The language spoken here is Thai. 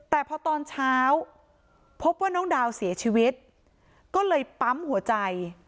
แต่พอตอนเช้าพบว่าน้องดาวเสียชีวิตก็เลยปั๊มหัวใจ